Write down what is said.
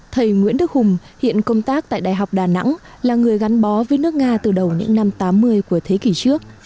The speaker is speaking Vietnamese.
thầy nguyễn đức hùng hiện công tác tại đại học đà nẵng là người gắn bó với nước nga từ đầu những năm tám mươi của thế kỷ trước